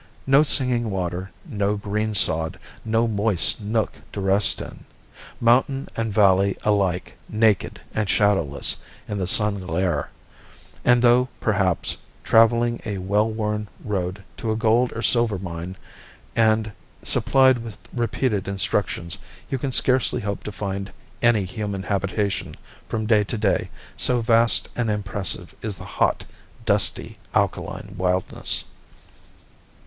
No singing water, no green sod, no moist nook to rest in—mountain and valley alike naked and shadowless in the sun glare; and though, perhaps, traveling a well worn road to a gold or silver mine, and supplied with repeated instructions, you can scarce hope to find any human habitation from day to day, so vast and impressive is the hot, dusty, alkaline wildness.